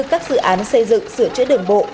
các dự án xây dựng sửa chữa đường bộ